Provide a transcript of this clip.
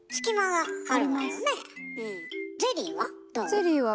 ゼリーは？